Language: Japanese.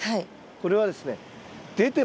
これはですね